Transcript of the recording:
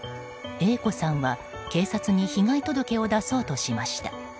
Ａ子さんは警察に被害届を出そうとしました。